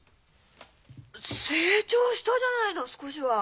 成長したじゃないの少しは。